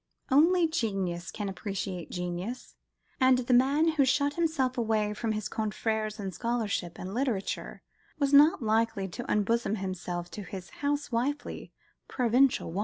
Only genius can appreciate genius; and the man who shut himself away from his confrères in scholarship and literature was not likely to unbosom himself to his housewifely, provincial wife.